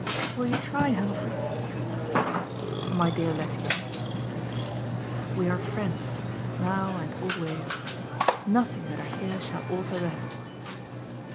Will you try, Humphrey?" "My dear Lettie," I said, "we are friends, now and always. Nothing that I hear shall alter that."